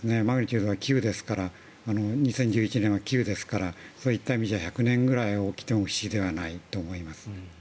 マグニチュードが９ですから２０１１年は９ですからそういった意味では１００年ぐらい起きても不思議ではないと思います。